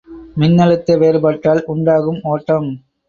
மின்னழுத்த வேறுபாட்டால் உண்டாகும் ஒட்டம்.